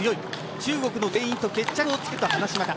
中国の全員と決着をつけると話しました。